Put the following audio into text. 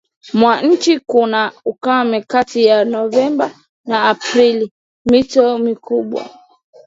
mwa nchi kuna ukame kati ya Novemba na Aprili Mito mikubwa